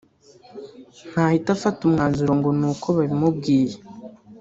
ntahita afata umwanzuro ngo nuko babimubwiye